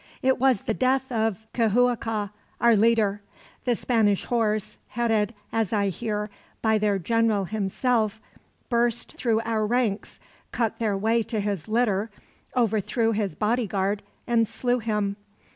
"It was the death of Cihuaca, our leader. The Spanish horse, headed, as I hear, by their general himself, burst through our ranks, cut their way to his litter, overthrew his bodyguard, and slew him.